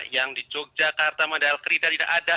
yang di yogyakarta madal kerita tidak ada